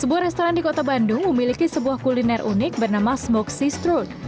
sebuah restoran di kota bandung memiliki sebuah kuliner unik bernama smokeseastroot